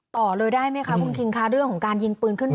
ต่อเลยได้ไหมคะคุณคิงค่ะเรื่องของการยิงปืนขึ้นมา